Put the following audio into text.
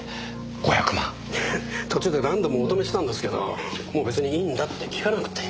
途中で何度もお止めしたんですけどもう別にいいんだって聞かなくて。